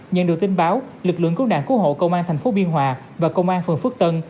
nhận được tin báo lực lượng cứu nạn cứu hộ công an tp biên hòa và công an phường phước tân